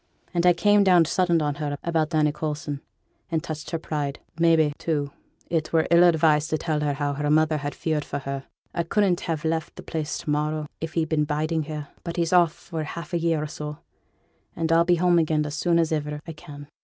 An' I came down sudden on her about Annie Coulson, and touched her pride. Maybe, too, it were ill advised to tell her how her mother was feared for her. I couldn't ha' left the place to morrow if he'd been biding here; but he's off for half a year or so, and I'll be home again as soon as iver I can.